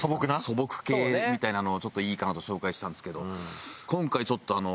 素朴系みたいなのをちょっといいかなと紹介したんですけど。